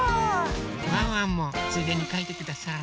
ワンワンもついでにかいてください。